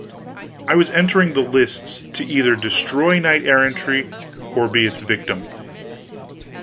I was entering the lists to either destroy knight errantry or be its victim.